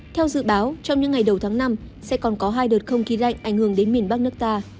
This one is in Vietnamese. theo dự báo trong những ngày đầu tháng năm sẽ còn có hai đợt không khí lạnh ảnh hưởng đến miền bắc nước ta